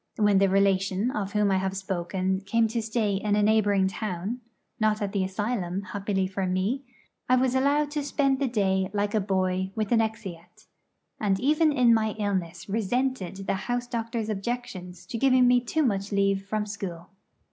When the relation of whom I have spoken came to stay in a neighbouring town not at the asylum, happily for me I was allowed to spend the day like a boy with an exeat, and even in my illness resented the house doctor's objections to giving me too much leave from school.